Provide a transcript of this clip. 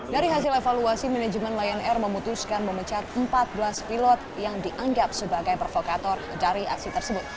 dari hasil evaluasi manajemen lion air memutuskan memecat empat belas pilot yang dianggap sebagai provokator dari aksi tersebut